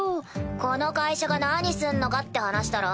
この会社が何すんのかって話だろ？